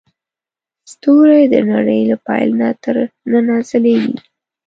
ستوري د نړۍ له پیل نه تر ننه ځلېږي.